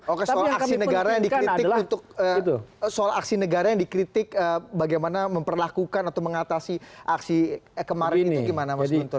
oke soal aksi negara yang dikritik bagaimana memperlakukan atau mengatasi aksi kemarin itu gimana mas guntur